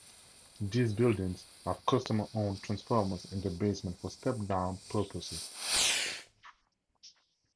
These buildings have customer-owned transformers in the basement for step-down purposes.